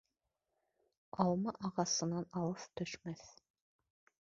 Алма ағасынан алыҫ төшмәҫ.